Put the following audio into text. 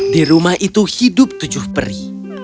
di rumah itu hidup tujuh peri